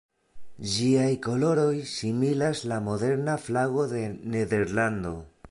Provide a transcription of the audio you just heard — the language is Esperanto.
Ĝiaj koloroj similas la moderna flago de Nederlando.